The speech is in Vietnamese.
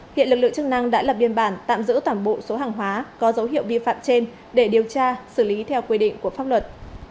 hiện lực lượng chức năng đã lập biên bản tạm giữ toàn bộ số hàng hóa có dấu hiệu vi phạm trên để điều tra xử lý theo quy định của pháp luật